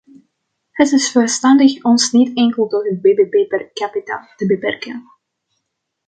Het is verstandig ons niet enkel tot het bbp per capita te beperken.